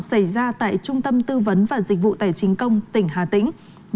xảy ra tại trung tâm tư vấn và dịch vụ tài chính công tỉnh hà tĩnh